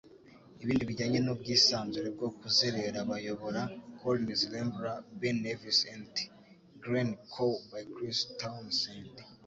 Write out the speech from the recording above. Ibindi bijyanye nubwisanzure bwo kuzerera bayobora Collins rambler: Ben Nevis & Glen Coe by Chris Townsend.